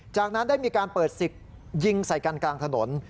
จากนั้นได้มีการเปิดศึกยิงใส่กันกลางถนน